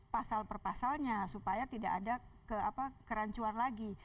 pasal per pasalnya supaya tidak ada kerancuan lagi